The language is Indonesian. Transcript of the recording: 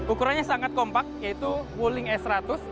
ukurannya sangat kompak yaitu wuling s seratus